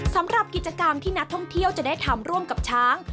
สำหรับกิจกรรมที่นักท่องเที่ยวจะได้ทำร่วมกับช้าง